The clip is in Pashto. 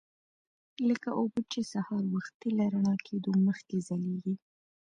لکه اوبه چې سهار وختي له رڼا کېدو مخکې ځلیږي.